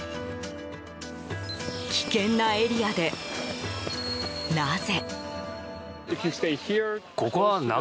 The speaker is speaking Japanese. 危険なエリアで、なぜ？